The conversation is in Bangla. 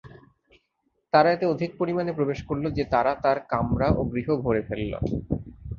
তারা এতে অধিক পরিমাণে প্রবেশ করল যে তারা তাঁর কামরা ও গৃহ ভরে ফেলল।